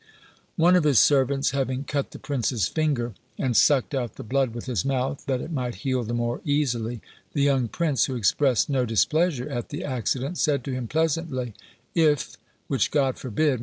One of his servants having cut the prince's finger, and sucked out the blood with his mouth, that it might heal the more easily, the young prince, who expressed no displeasure at the accident, said to him pleasantly, "If, which God forbid!